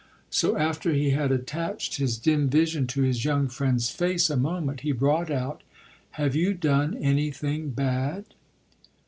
So after he had attached his dim vision to his young friend's face a moment he brought out: "Have you done anything bad?"